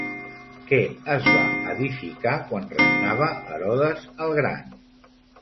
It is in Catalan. Què es va edificar quan regnava Herodes el Gran?